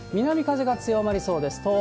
南風が強まりそうです。